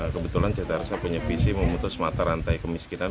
kebetulan jt arsha punya visi memutus mata rantai kemiskinan